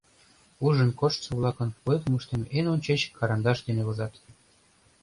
Ужын коштшо-влакын ойлымыштым эн ончыч карандаш дене возат.